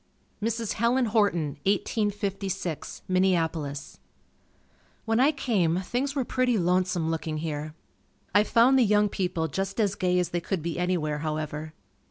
Mrs. Helen Horton 1856, Minneapolis. When I came, things were pretty lonesome looking here. I found the young people just as gay as they could be anywhere, however.